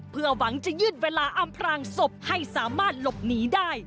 เพื่อหวังจะยืดเวลาอำพรางศพให้สามารถหลบหนีได้